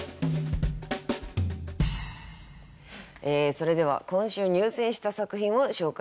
それでは今週入選した作品を紹介しましょう。